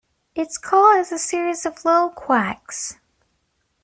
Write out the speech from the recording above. Its call is a series of low "quacks".